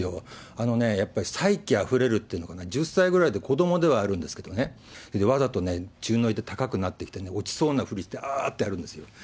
あのね、やっぱり才気あふれるっていうのかな、１０歳ぐらいで子どもではあるんですけれどもね、わざと宙乗りで高くなってきて、落ちそうなふりして、あーってやるんですよ。